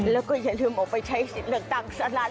แล้วยันลืมใช้เลือกตั้งสารร้าน